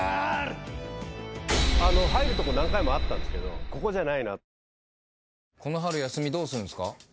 入るとこ何回もあったんですけどここじゃないな。